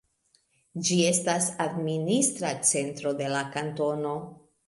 Ĝi estas administra centro de la kantono.